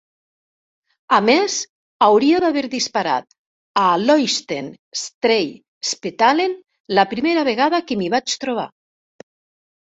A més, hauria d'haver disparat a l'Oystein Stray Spetalen la primera vegada que m'hi vaig trobar.